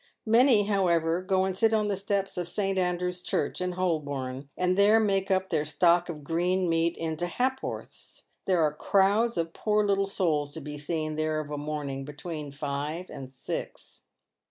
Many, however, go and sit on the steps of St. Andrew's Church, in Holborn, and there make up their stock of green meat into " ha'porths." There are crowds of poor little souls to he seen there of a morning between five and six.